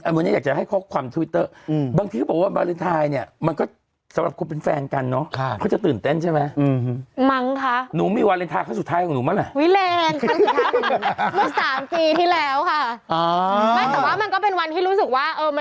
เพราะว่ามิ้นท์ไม่ลาอยู่แล้วเพราะว่าไม่มีอยู่แล้ว